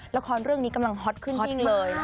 ละครเรื่องนี้ต่อมากขึ้นอีกเลย